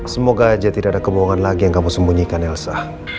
semoga aja tidak ada kebohongan lagi yang kamu sembunyikan elsa